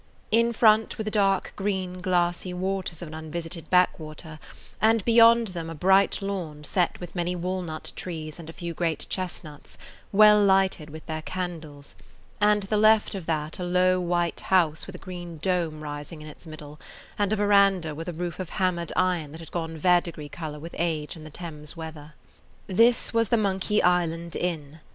In front were the dark green, glassy waters of an unvisited backwater, and beyond them a bright lawn set with many walnut trees and a few great chestnuts, well lighted with their candles, [Page 65] and to the left of that a low, white house with a green dome rising in its middle, and a veranda with a roof of hammered iron that had gone verdigris color with age and the Thames weather. This was the Monkey Island Inn.